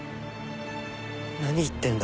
何言ってんだ？